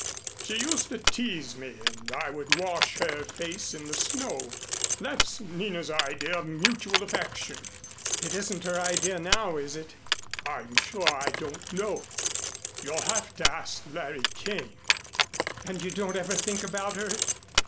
She used to tease me and I would wash her face in the snow. That's Nina's idea of mutual affection." "It isn't her idea now, is it?" "I'm sure I don't know. You'll have to ask Larry Kane." "And you don't ever think about her?"